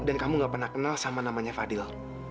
dan kamu gak pernah kenal sama namanya fadil